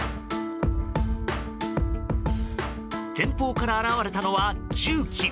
前方から現れたのは重機。